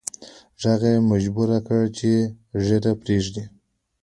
ږغ یې مجبور کړ چې ږیره پریږدي